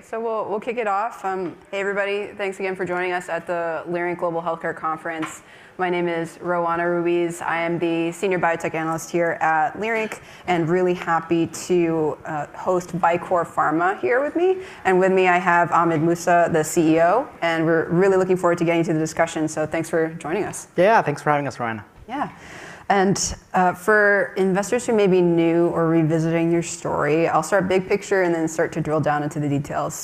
Great, we'll kick it off. Hey, everybody. Thanks again for joining us at the Leerink Partners Global Healthcare Conference. My name is Roanna Ruiz. I am the senior biotech analyst here at Leerink, and really happy to host Vicore Pharma here with me. With me, I have Ahmed Mousa, the CEO, and we're really looking forward to getting to the discussion, thanks for joining us. Yeah, thanks for having us, Roanna. Yeah. For investors who may be new or revisiting your story, I'll start big picture and then start to drill down into the details.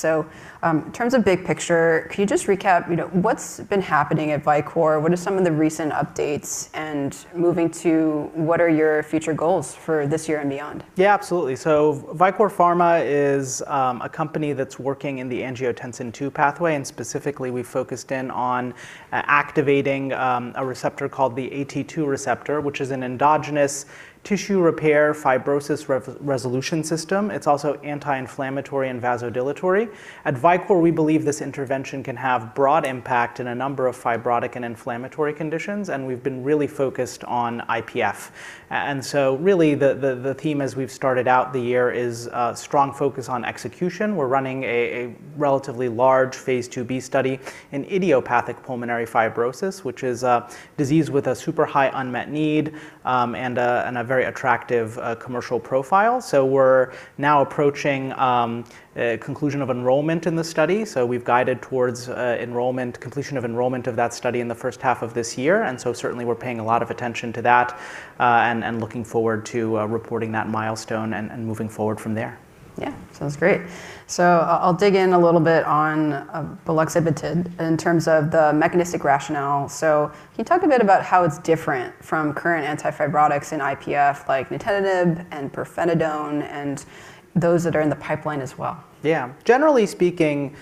In terms of big picture, can you just recap, you know, what's been happening at Vicore? What are some of the recent updates? Moving to what are your future goals for this year and beyond? Absolutely. Vicore Pharma is a company that's working in the angiotensin II pathway, and specifically, we've focused in on activating a receptor called the AT2 receptor, which is an endogenous tissue repair fibrosis resolution system. It's also anti-inflammatory and vasodilatory. At Vicore, we believe this intervention can have broad impact in a number of fibrotic and inflammatory conditions, and we've been really focused on IPF. Really the, the theme as we've started out the year is strong focus on execution. We're running a relatively large phase II-B study in idiopathic pulmonary fibrosis, which is a disease with a super high unmet need, and a very attractive commercial profile. We're now approaching a conclusion of enrollment in the study, so we've guided towards enrollment, completion of enrollment of that study in the first half of this year. Certainly, we're paying a lot of attention to that and looking forward to reporting that milestone and moving forward from there. Yeah. Sounds great. I'll dig in a little bit on buloxibutid in terms of the mechanistic rationale. Can you talk a bit about how it's different from current antifibrotics in IPF like Nintedanib and Pirfenidone and those that are in the pipeline as well? Yeah. Generally speaking,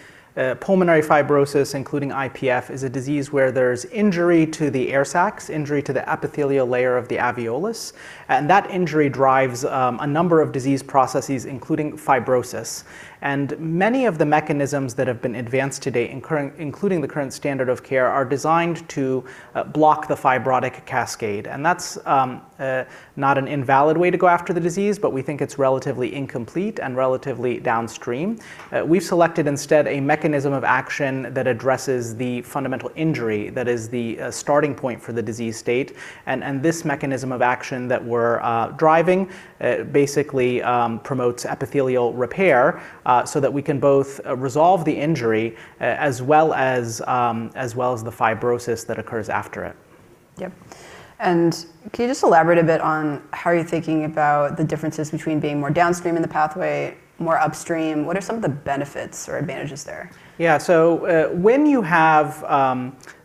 pulmonary fibrosis, including IPF, is a disease where there's injury to the air sacs, injury to the epithelial layer of the alveolus, and that injury drives a number of disease processes, including fibrosis. Many of the mechanisms that have been advanced to date, including the current standard of care, are designed to block the fibrotic cascade, and that's not an invalid way to go after the disease, but we think it's relatively incomplete and relatively downstream. We've selected instead a mechanism of action that addresses the fundamental injury that is the starting point for the disease state. This mechanism of action that we're driving, basically, promotes epithelial repair so that we can both resolve the injury as well as the fibrosis that occurs after it. Yep. Can you just elaborate a bit on how you're thinking about the differences between being more downstream in the pathway, more upstream? What are some of the benefits or advantages there? Yeah. When you have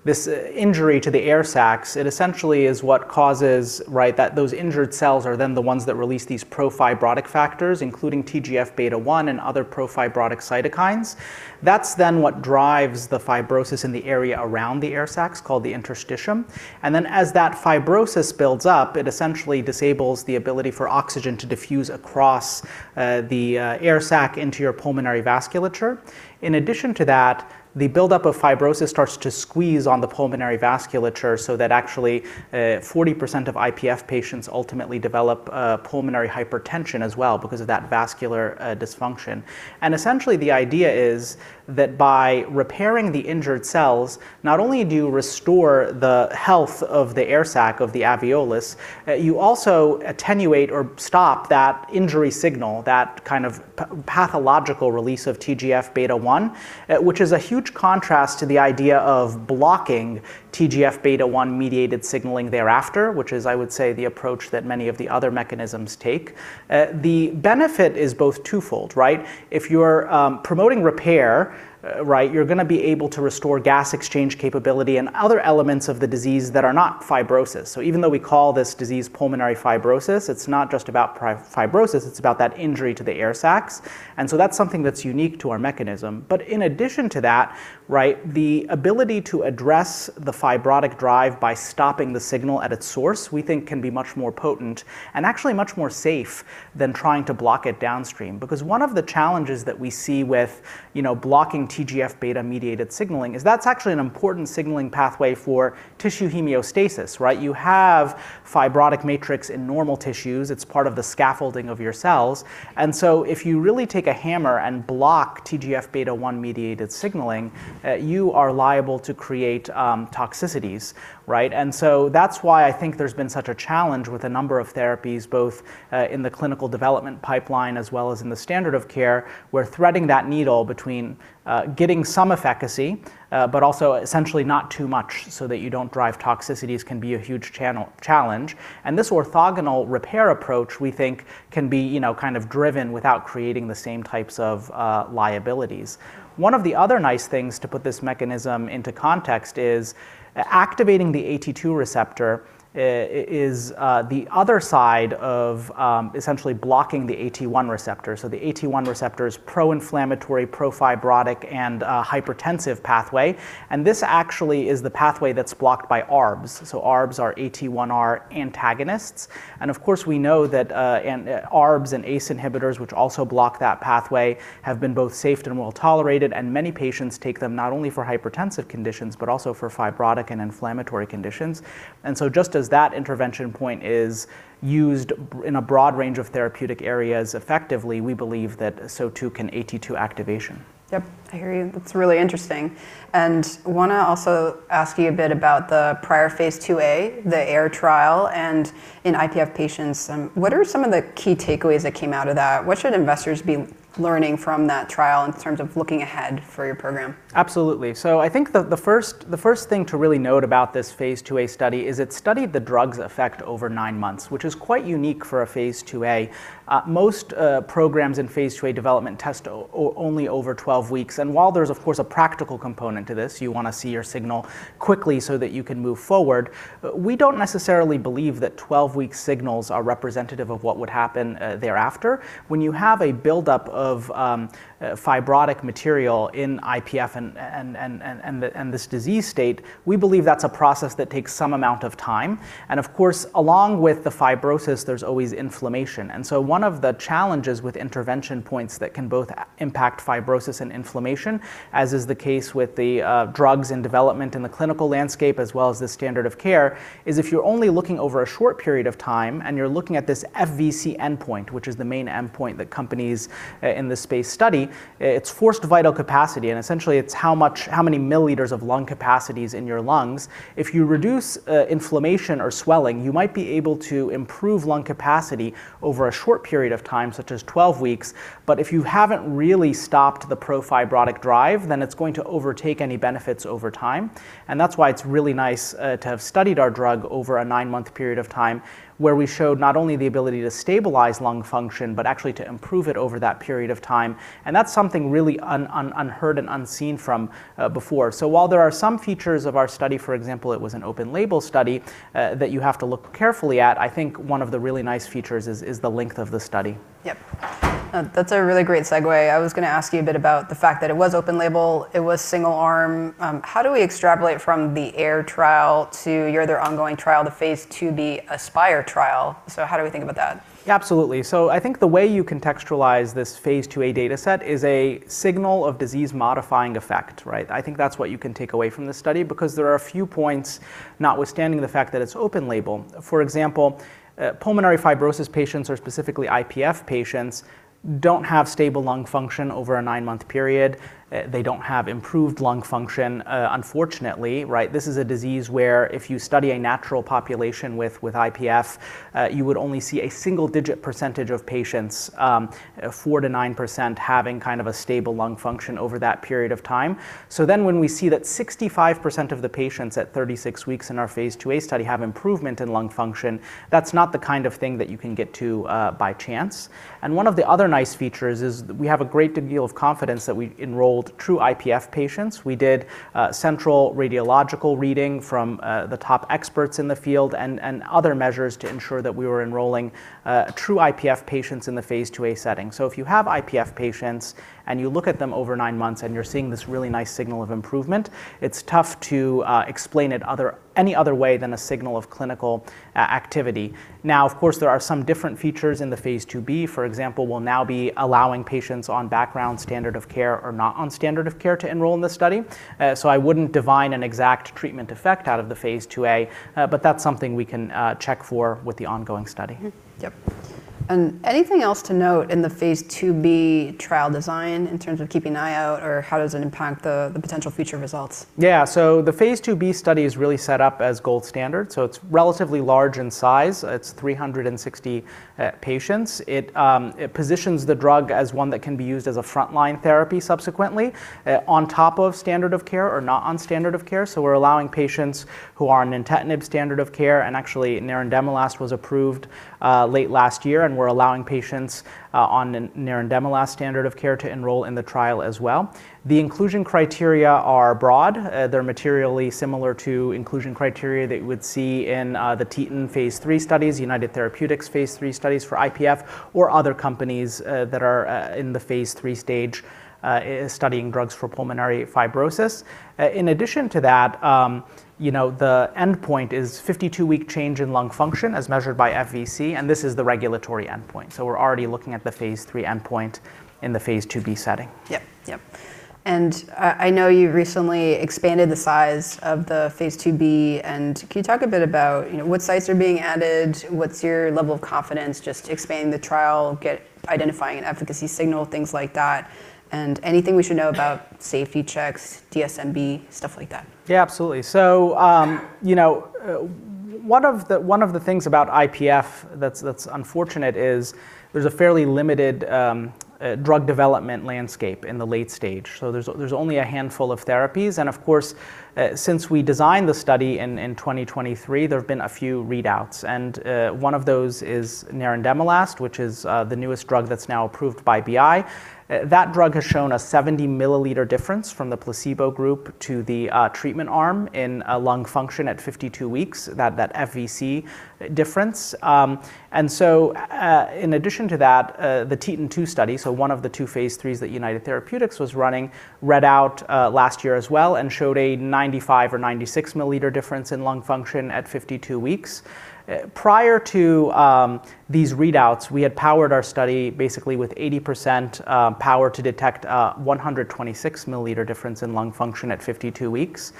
this injury to the air sacs, it essentially is what causes, right, that those injured cells are then the ones that release these pro-fibrotic factors, including TGF-beta 1 and other pro-fibrotic cytokines. That's then what drives the fibrosis in the area around the air sacs called the interstitium. As that fibrosis builds up, it essentially disables the ability for oxygen to diffuse across the air sac into your pulmonary vasculature. In addition to that, the buildup of fibrosis starts to squeeze on the pulmonary vasculature so that actually, 40% of IPF patients ultimately develop pulmonary hypertension as well because of that vascular dysfunction. Essentially, the idea is that by repairing the injured cells, not only do you restore the health of the air sac of the alveolus, you also attenuate or stop that injury signal, that kind of pathological release of TGF beta 1, which is a huge contrast to the idea of blocking TGF beta 1 mediated signaling thereafter, which is, I would say, the approach that many of the other mechanisms take. The benefit is both twofold, right? If you're promoting repair, right, you're gonna be able to restore gas exchange capability and other elements of the disease that are not fibrosis. Even though we call this disease pulmonary fibrosis, it's not just about fibrosis, it's about that injury to the air sacs. That's something that's unique to our mechanism. In addition to that, right, the ability to address the fibrotic drive by stopping the signal at its source, we think can be much more potent and actually much more safe than trying to block it downstream. One of the challenges that we see with, you know, blocking TGF beta mediated signaling is that's actually an important signaling pathway for tissue hemostasis, right? You have fibrotic matrix in normal tissues. It's part of the scaffolding of your cells. If you really take a hammer and block TGF-beta 1 mediated signaling, you are liable to create toxicities, right? That's why I think there's been such a challenge with a number of therapies, both in the clinical development pipeline as well as in the standard of care, where threading that needle between getting some efficacy, but also essentially not too much so that you don't drive toxicities can be a huge challenge. This orthogonal repair approach, we think can be, you know, kind of driven without creating the same types of liabilities. One of the other nice things to put this mechanism into context is activating the AT2 receptor, is the other side of essentially blocking the AT1 receptor. The AT1 receptor is pro-inflammatory, pro-fibrotic, and hypertensive pathway, and this actually is the pathway that's blocked by ARBs. ARBs are AT1R antagonists. Of course, we know that ARBs and ACE inhibitors, which also block that pathway, have been both safe and well-tolerated, and many patients take them not only for hypertensive conditions, but also for fibrotic and inflammatory conditions. Just as that intervention point is used in a broad range of therapeutic areas effectively, we believe that so too can AT2 activation. Yep, I hear you. That's really interesting. Wanna also ask you a bit about the prior phase II-A, the AIR trial, and in IPF patients, what are some of the key takeaways that came out of that? What should investors be learning from that trial in terms of looking ahead for your program? Absolutely. I think the first thing to really note about this phase II-A study is it studied the drug's effect over nine months, which is quite unique for a phase II-A. Most programs in phase II-A development test only over 12 weeks, and while there's of course a practical component to this, you wanna see your signal quickly so that you can move forward, we don't necessarily believe that 12-week signals are representative of what would happen thereafter. When you have a build up of fibrotic material in IPF and this disease state, we believe that's a process that takes some amount of time, and of course, along with the fibrosis, there's always inflammation. One of the challenges with intervention points that can both impact fibrosis and inflammation, as is the case with the drugs and development in the clinical landscape as well as the standard of care, is if you're only looking over a short period of time and you're looking at this FVC endpoint, which is the main endpoint that companies in the space study, it's forced vital capacity, and essentially it's how many milliliters of lung capacity is in your lungs. If you reduce inflammation or swelling, you might be able to improve lung capacity over a short period of time, such as 12 weeks. If you haven't really stopped the pro-fibrotic drive, then it's going to overtake any benefits over time. That's why it's really nice to have studied our drug over a nine-month period of time, where we showed not only the ability to stabilize lung function, but actually to improve it over that period of time. That's something really unheard and unseen from before. While there are some features of our study, for example, it was an open-label study that you have to look carefully at, I think one of the really nice features is the length of the study. Yep. That's a really great segue. I was gonna ask you a bit about the fact that it was open-label, it was single arm. How do we extrapolate from the AIR trial to your other ongoing trial, the phase II-B ASPIRE trial? How do we think about that? Absolutely. I think the way you contextualize this phase II-A data set is a signal of disease modifying effect, right? I think that's what you can take away from this study, because there are a few points notwithstanding the fact that it's open-label. For example, pulmonary fibrosis patients or specifically IPF patients don't have stable lung function over a nine-month period. They don't have improved lung function, unfortunately, right? This is a disease where if you study a natural population with IPF, you would only see a single digit percentage of patients, 4%-9% having kind of a stable lung function over that period of time. When we see that 65% of the patients at 36 weeks in our phase II-A study have improvement in lung function, that's not the kind of thing that you can get to by chance. One of the other nice features is we have a great deal of confidence that we enrolled true IPF patients. We did central radiological reading from the top experts in the field and other measures to ensure that we were enrolling true IPF patients in the phase II-A setting. If you have IPF patients and you look at them over nine months and you're seeing this really nice signal of improvement, it's tough to explain it any other way than a signal of clinical activity. Of course, there are some different features in the phase II-B. For example, we'll now be allowing patients on background standard of care or not on standard of care to enroll in the study. I wouldn't divine an exact treatment effect out of the phase II-A, but that's something we can check for with the ongoing study. Mm-hmm. Yep. Anything else to note in the phase II-B trial design in terms of keeping an eye out, or how does it impact the potential future results? The phase II-B study is really set up as gold standard. It's relatively large in size. It's 360 patients. It positions the drug as one that can be used as a frontline therapy subsequently on top of standard of care or not on standard of care. We're allowing patients who are on Nintedanib standard of care, and actually nerandomilast was approved late last year. We're allowing patients on nerandomilast standard of care to enroll in the trial as well. The inclusion criteria are broad. They're materially similar to inclusion criteria that you would see in the TETON phase III studies, United Therapeutics phase III studies for IPF or other companies that are in the phase III stage studying drugs for pulmonary fibrosis. In addition to that, you know, the endpoint is 52-week change in lung function as measured by FVC, and this is the regulatory endpoint. We're already looking at the phase III endpoint in the phase II-B setting. Yep, yep. I know you recently expanded the size of the phase II-B, and can you talk a bit about, you know, what sites are being added? What's your level of confidence just expanding the trial, identifying efficacy signal, things like that? Anything we should know about safety checks, DSMB, stuff like that? Yeah, absolutely. You know, one of the things about IPF that's unfortunate is there's a fairly limited drug development landscape in the late stage. There's only a handful of therapies. Of course, since we designed the study in 2023, there have been a few readouts. One of those is nerandomilast, which is the newest drug that's now approved by BI. That drug has shown a 70-milliliter difference from the placebo group to the treatment arm in lung function at 52 weeks, that FVC difference. In addition to that, the TETON-2 study, so one of the two phase IIIs that United Therapeutics was running, read out last year as well and showed a 95 or 96 mL difference in lung function at 52 weeks. Prior to these readouts, we had powered our study basically with 80% power to detect a 126 mL difference in lung function at 52 weeks.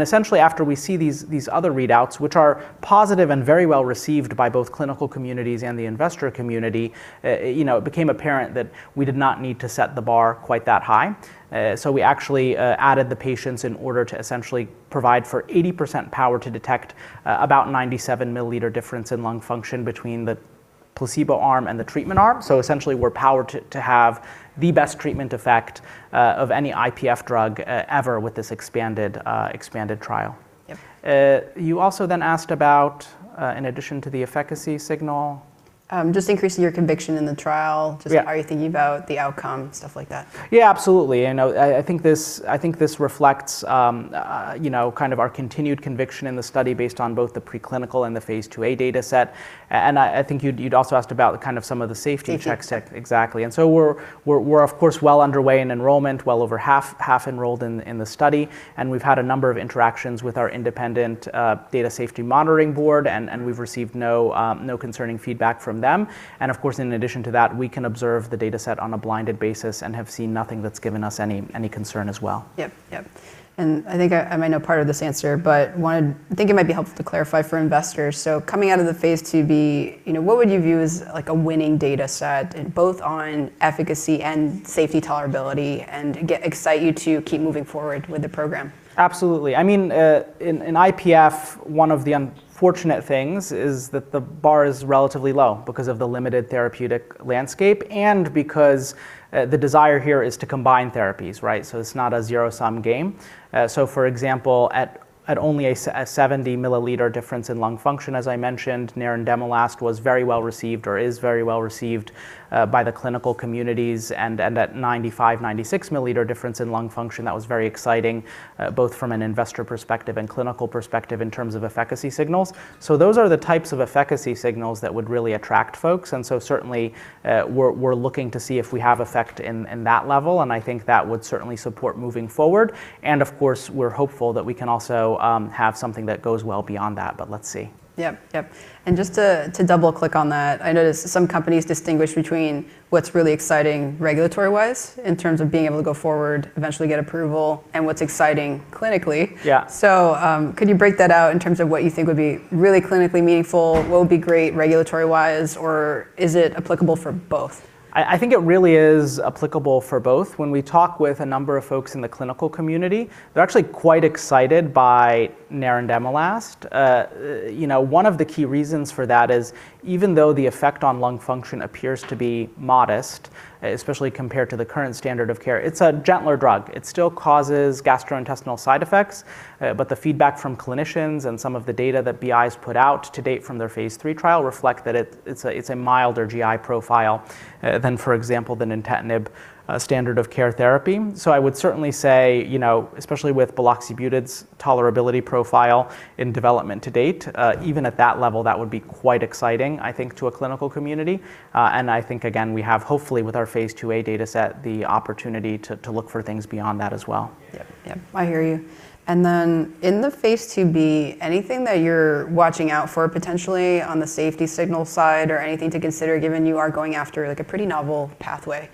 Essentially, after we see these other readouts, which are positive and very well-received by both clinical communities and the investor community, you know, it became apparent that we did not need to set the bar quite that high. We actually added the patients in order to essentially provide for 80% power to detect about 97 milliliter difference in lung function between the Placebo arm and the treatment arm. Essentially, we're powered to have the best treatment effect of any IPF drug ever with this expanded trial. Yep. You also then asked about, in addition to the efficacy signal. Just increasing your conviction in the trial. Yeah. Just how are you thinking about the outcome, stuff like that. Yeah, absolutely. I think this reflects, you know, kind of our continued conviction in the study based on both the preclinical and the phase II-A data set. I think you'd also asked about kind of some of the safety checks. Safety exactly. So we're of course well underway in enrollment, well over half enrolled in the study. We've had a number of interactions with our independent Data Safety Monitoring Board and we've received no concerning feedback from them. Of course, in addition to that, we can observe the data set on a blinded basis and have seen nothing that's given us any concern as well. Yep. Yep. I think I might know part of this answer, but I think it might be helpful to clarify for investors. Coming out of the phase II-B, you know, what would you view as like a winning data set both on efficacy and safety tolerability, and excite you to keep moving forward with the program? Absolutely. I mean, in IPF, one of the unfortunate things is that the bar is relatively low because of the limited therapeutic landscape and because the desire here is to combine therapies, right? It's not a zero-sum game. For example, at only a 70 milliliter difference in lung function, as I mentioned, nerandomilast was very well received or is very well received by the clinical communities and that 95, 96 milliliter difference in lung function, that was very exciting both from an investor perspective and clinical perspective in terms of efficacy signals. Those are the types of efficacy signals that would really attract folks. Certainly, we're looking to see if we have effect in that level, and I think that would certainly support moving forward. Of course, we're hopeful that we can also have something that goes well beyond that, but let's see. Yep. Yep. Just to double click on that, I noticed some companies distinguish between what's really exciting regulatory wise in terms of being able to go forward, eventually get approval and what's exciting clinically. Yeah. Could you break that out in terms of what you think would be really clinically meaningful, will be great regulatory wise, or is it applicable for both? I think it really is applicable for both. When we talk with a number of folks in the clinical community, they're actually quite excited by nerandomilast. You know, one of the key reasons for that is even though the effect on lung function appears to be modest, especially compared to the current standard of care, it's a gentler drug. It still causes gastrointestinal side effects, the feedback from clinicians and some of the data that BI's put out to date from their phase III trial reflect that it's a milder GI profile than, for example, the Nintedanib standard of care therapy. I would certainly say, you know, especially with buloxibutid's tolerability profile in development to date, even at that level, that would be quite exciting, I think, to a clinical community. I think again, we have hopefully with our phase II-A data set the opportunity to look for things beyond that as well. Yep. Yep. I hear you. In the phase II-B, anything that you're watching out for potentially on the safety signal side or anything to consider given you are going after like a pretty novel pathway?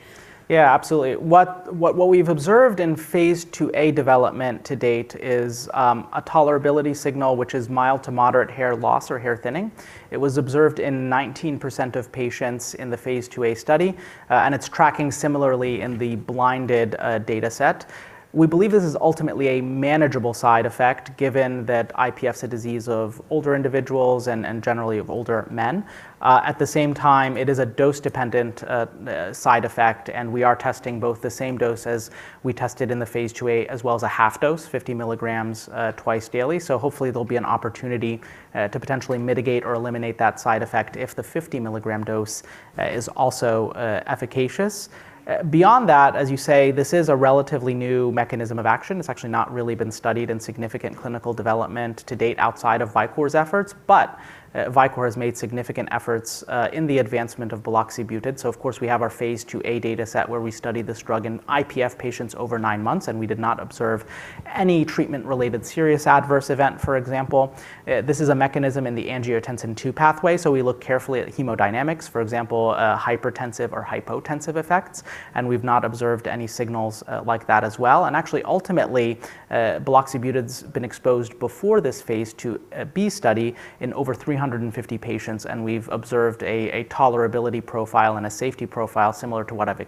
Absolutely. What we've observed in phase II-A development to date is a tolerability signal, which is mild to moderate hair loss or hair thinning. It was observed in 19% of patients in the phase II-A study, and it's tracking similarly in the blinded data set. We believe this is ultimately a manageable side effect given that IPF is a disease of older individuals and generally of older men. It is a dose dependent side effect, we are testing both the same dose as we tested in the phase II-A as well as a half dose, 50 milligrams, twice daily. Hopefully there'll be an opportunity to potentially mitigate or eliminate that side effect if the 50 milligram dose is also efficacious. Beyond that, as you say, this is a relatively new mechanism of action. It's actually not really been studied in significant clinical development to date outside of Vicore's efforts. Vicore has made significant efforts, in the advancement of buloxibutid. Of course, we have our phase II-A data set where we studied this drug in IPF patients over nine months, and we did not observe any treatment related serious adverse event, for example. This is a mechanism in the angiotensin II pathway, so we look carefully at the hemodynamics, for example, hypertensive or hypotensive effects, and we've not observed any signals like that as well. Actually, ultimately, buloxibutid's been exposed before this phase II-B study in over 350 patients, and we've observed a tolerability profile and a safety profile similar to what I've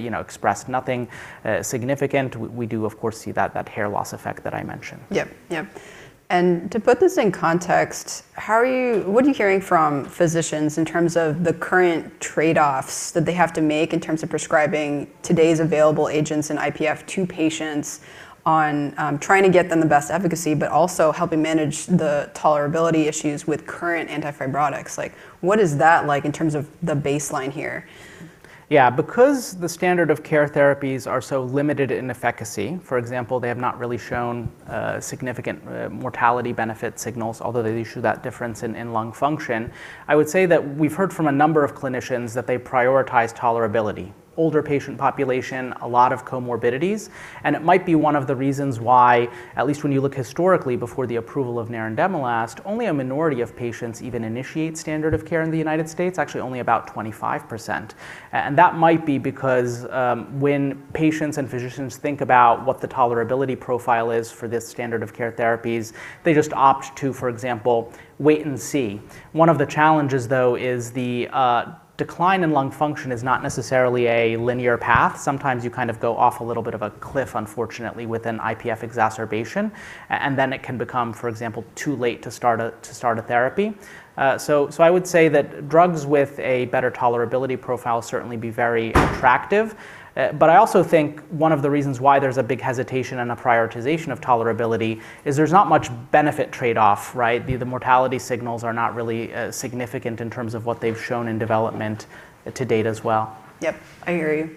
you know, expressed nothing significant. We do of course, see that hair loss effect that I mentioned. Yep. Yep. To put this in context, what are you hearing from physicians in terms of the current trade-offs that they have to make in terms of prescribing today's available agents in IPF to patients on, trying to get them the best efficacy, but also helping manage the tolerability issues with current antifibrotics? Like, what is that like in terms of the baseline here? Because the standard of care therapies are so limited in efficacy, for example, they have not really shown significant mortality benefit signals, although they show that difference in lung function. I would say that we've heard from a number of clinicians that they prioritize tolerability, older patient population, a lot of comorbidities, and it might be one of the reasons why, at least when you look historically before the approval of nerandomilast, only a minority of patients even initiate standard of care in the United States, actually only about 25%. That might be because, when patients and physicians think about what the tolerability profile is for this standard of care therapies, they just opt to, for example, wait and see. One of the challenges, though, is the decline in lung function is not necessarily a linear path. Sometimes you kind of go off a little bit of a cliff, unfortunately, with an IPF exacerbation, and then it can become, for example, too late to start a therapy. I would say that drugs with a better tolerability profile certainly be very attractive. I also think one of the reasons why there's a big hesitation and a prioritization of tolerability is there's not much benefit trade-off, right? The mortality signals are not really significant in terms of what they've shown in development to date as well. Yep. I hear you.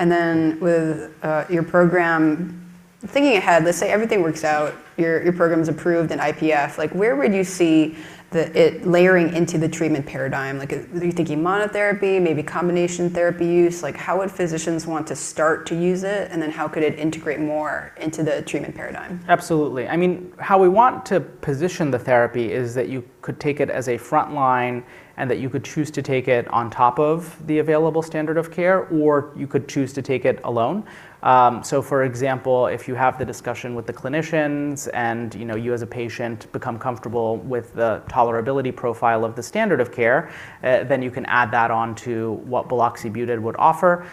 With your program. Thinking ahead, let's say everything works out, your program's approved in IPF, like, where would you see it layering into the treatment paradigm? Like, are you thinking monotherapy, maybe combination therapy use? Like, how would physicians want to start to use it, and then how could it integrate more into the treatment paradigm? Absolutely. I mean, how we want to position the therapy is that you could take it as a frontline and that you could choose to take it on top of the available standard of care, or you could choose to take it alone. For example, if you have the discussion with the clinicians and, you know, you as a patient become comfortable with the tolerability profile of the standard of care, then you can add that on to what buloxibutid would offer.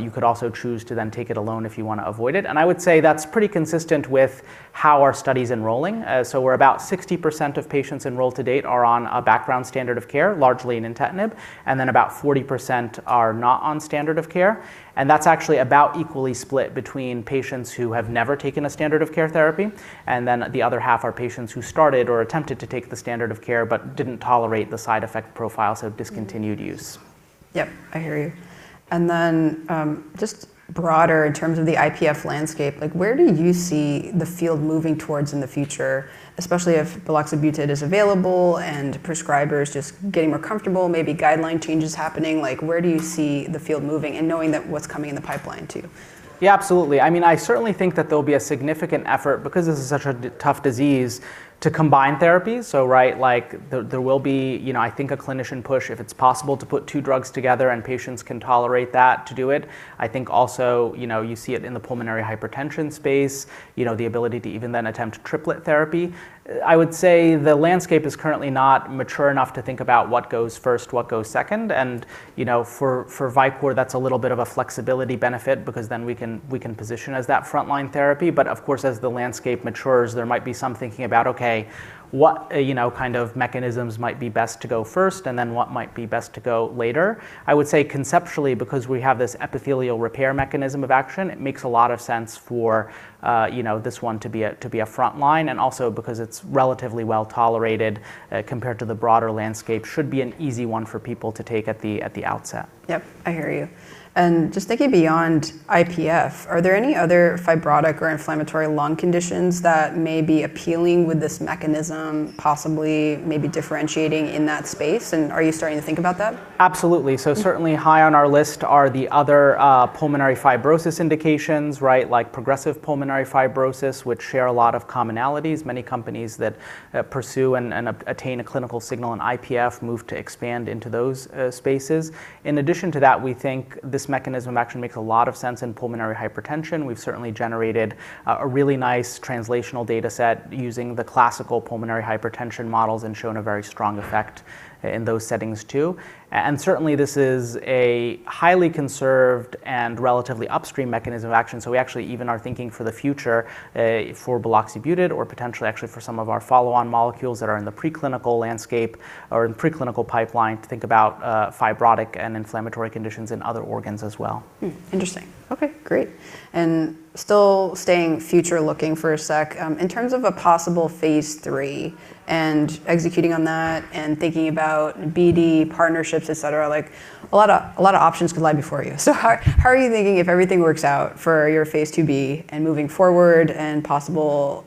You could also choose to then take it alone if you wanna avoid it. I would say that's pretty consistent with how our study's enrolling. We're about 60% of patients enrolled to date are on a background standard of care, largely an imatinib, and then about 40% are not on standard of care, and that's actually about equally split between patients who have never taken a standard of care therapy, and then the other half are patients who started or attempted to take the standard of care but didn't tolerate the side effect profile, so have discontinued use. Yep. I hear you. Just broader in terms of the IPF landscape, like, where do you see the field moving towards in the future, especially if buloxibutid is available and prescribers just getting more comfortable, maybe guideline changes happening? Like, where do you see the field moving and knowing that what's coming in the pipeline too? Yeah, absolutely. I mean, I certainly think that there'll be a significant effort, because this is such a tough disease, to combine therapies. Right, like, there will be, you know, I think a clinician push if it's possible to put two drugs together and patients can tolerate that to do it. I think also, you know, you see it in the pulmonary hypertension space, you know, the ability to even then attempt triplet therapy. I would say the landscape is currently not mature enough to think about what goes first, what goes second, and, you know, for Vicore, that's a little bit of a flexibility benefit because then we can position as that frontline therapy. Of course, as the landscape matures, there might be some thinking about, okay, what, you know, kind of mechanisms might be best to go first, and then what might be best to go later? I would say conceptually, because we have this epithelial repair mechanism of action, it makes a lot of sense for, you know, this one to be a frontline, and also because it's relatively well-tolerated, compared to the broader landscape, should be an easy one for people to take at the outset. Yep. I hear you. Just thinking beyond IPF, are there any other fibrotic or inflammatory lung conditions that may be appealing with this mechanism, possibly maybe differentiating in that space? Are you starting to think about that? Absolutely. Mm. Certainly high on our list are the other pulmonary fibrosis indications, right? Like progressive pulmonary fibrosis, which share a lot of commonalities. Many companies that pursue and attain a clinical signal in IPF move to expand into those spaces. In addition to that, we think this mechanism of action makes a lot of sense in pulmonary hypertension. We've certainly generated a really nice translational data set using the classical pulmonary hypertension models and shown a very strong effect in those settings too. Certainly, this is a highly conserved and relatively upstream mechanism of action, so we actually even are thinking for the future for buloxibutid or potentially actually for some of our follow-on molecules that are in the preclinical landscape or in preclinical pipeline to think about fibrotic and inflammatory conditions in other organs as well. Interesting. Okay, great. Still staying future looking for a sec, in terms of a possible phase III and executing on that and thinking about BD partnerships, et cetera, like, a lot of options could lie before you. How are you thinking if everything works out for your phase II-B and moving forward and possible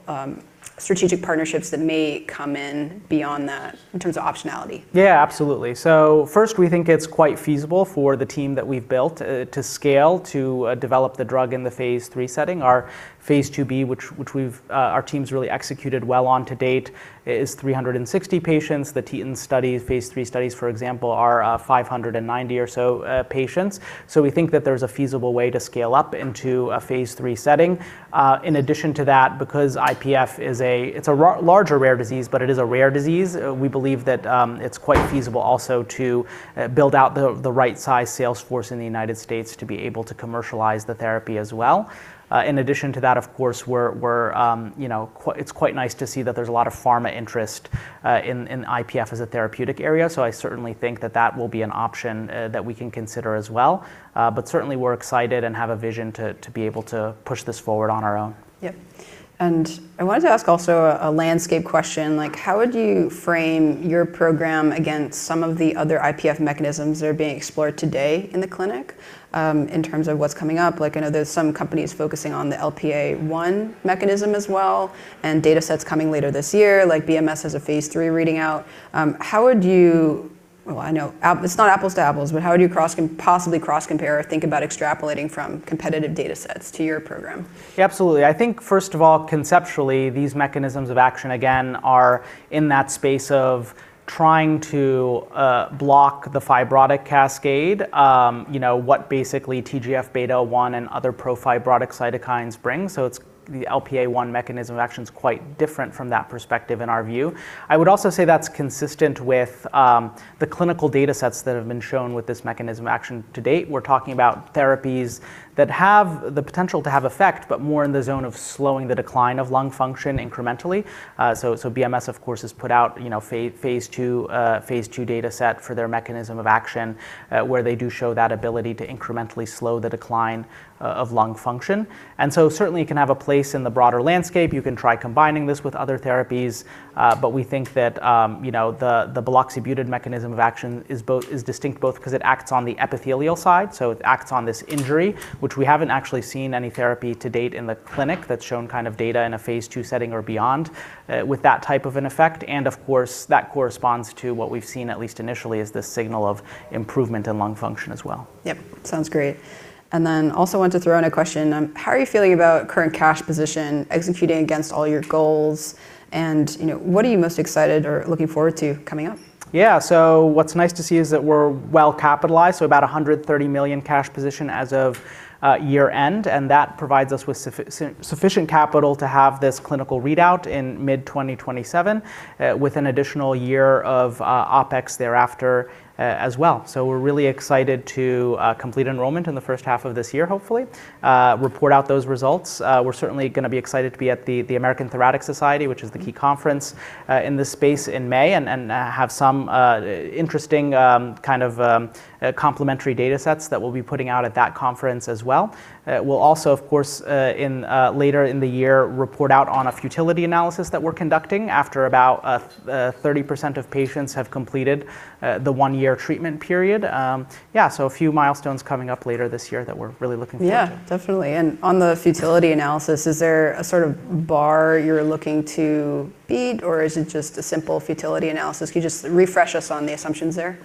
strategic partnerships that may come in beyond that in terms of optionality? Yeah, absolutely. First, we think it's quite feasible for the team that we've built, to scale to develop the drug in the phase III setting. Our phase II-B, which our team's really executed well on to date, is 360 patients. The TETON studies, phase III studies, for example, are 590 or so patients. We think that there's a feasible way to scale up into a phase III setting. In addition to that, because IPF is a larger rare disease, but it is a rare disease, we believe that it's quite feasible also to build out the right size sales force in the United States to be able to commercialize the therapy as well. In addition to that, of course, we're, you know, it's quite nice to see that there's a lot of pharma interest in IPF as a therapeutic area. I certainly think that that will be an option that we can consider as well. Certainly we're excited and have a vision to be able to push this forward on our own. Yep. I wanted to ask also a landscape question. Like, how would you frame your program against some of the other IPF mechanisms that are being explored today in the clinic, in terms of what's coming up? Like, I know there's some companies focusing on the LPA1 mechanism as well, and data sets coming later this year, like BMS has a phase III reading out. Well, I know it's not apples to apples, but how would you possibly cross compare or think about extrapolating from competitive data sets to your program? Yeah, absolutely. I think first of all, conceptually, these mechanisms of action, again, are in that space of trying to block the fibrotic cascade. You know, what basically TGF-beta 1 and other pro-fibrotic cytokines bring. The LPA1 mechanism of action is quite different from that perspective in our view. I would also say that's consistent with the clinical data sets that have been shown with this mechanism of action to date. We're talking about therapies that have the potential to have effect, but more in the zone of slowing the decline of lung function incrementally. BMS, of course, has put out, you know, phase II, phase II data set for their mechanism of action, where they do show that ability to incrementally slow the decline of lung function. Certainly it can have a place in the broader landscape. You can try combining this with other therapies. We think that, you know, the buloxibutid mechanism of action is distinct both because it acts on the epithelial side, so it acts on this injury, which we haven't actually seen any therapy to date in the clinic that's shown kind of data in a phase II setting or beyond, with that type of an effect. Of course, that corresponds to what we've seen, at least initially, as this signal of improvement in lung function as well. Yep. Sounds great. Also want to throw in a question. How are you feeling about current cash position, executing against all your goals? You know, what are you most excited or looking forward to coming up? What's nice to see is that we're well capitalized, about $130 million cash position as of year-end, and that provides us with sufficient capital to have this clinical readout in mid-2027, with an additional year of Opex thereafter, as well. We're really excited to complete enrollment in the first half of this year, hopefully, report out those results. We're certainly gonna be excited to be at the American Thoracic Society, which is the key conference, in this space in May, and have some interesting, kind of, complementary data sets that we'll be putting out at that conference as well. We'll also, of course, in later in the year, report out on a futility analysis that we're conducting after about 30% of patients have completed the one-year treatment period. A few milestones coming up later this year that we're really looking forward to. Yeah, definitely. On the futility analysis, is there a sort of bar you're looking to beat, or is it just a simple futility analysis? Can you just refresh us on the assumptions there?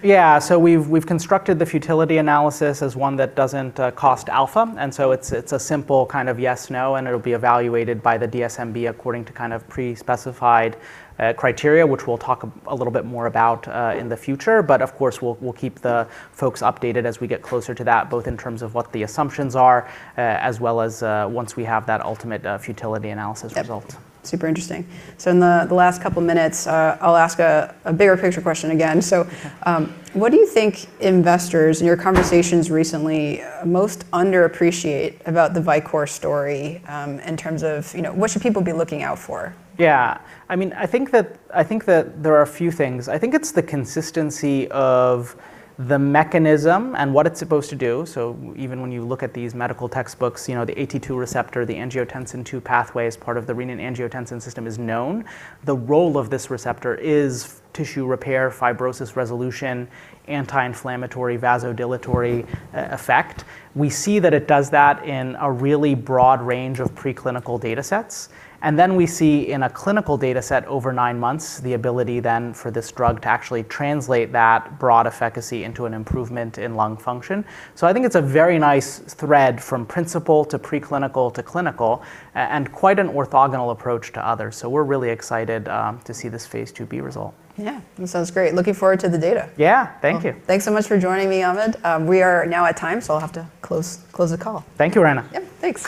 We've constructed the futility analysis as one that doesn't cost alpha, it's a simple kind of yes/no, and it'll be evaluated by the DSMB according to kind of pre-specified criteria, which we'll talk a little bit more about in the future. Of course, we'll keep the folks updated as we get closer to that, both in terms of what the assumptions are as well as once we have that ultimate futility analysis result. Yep. Super interesting. In the last couple minutes, I'll ask a bigger picture question again. What do you think investors in your conversations recently most underappreciate about the Vicore story, in terms of, you know, what should people be looking out for? I mean, I think that there are a few things. I think it's the consistency of the mechanism and what it's supposed to do. Even when you look at these medical textbooks, you know, the AT2 receptor, the angiotensin II pathway as part of the renin-angiotensin system is known. The role of this receptor is tissue repair, fibrosis resolution, anti-inflammatory, vasodilatory effect. We see that it does that in a really broad range of preclinical data sets. Then we see in a clinical data set over nine months, the ability then for this drug to actually translate that broad efficacy into an improvement in lung function. I think it's a very nice thread from principle to preclinical to clinical and quite an orthogonal approach to others. We're really excited to see this phase II-B result. Yeah. That sounds great. Looking forward to the data. Yeah. Thank you. Thanks so much for joining me, Ahmed. We are now at time. I'll have to close the call. Thank you, Roanna. Yep. Thanks.